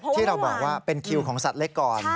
ที่เราบอกว่าเป็นคิวของสัตว์เล็กก่อน